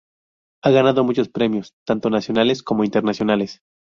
Ha ganado muchos premios, tanto nacionales como internacionales.